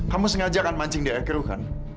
kamu sengaja akan mancing di akhir wuhan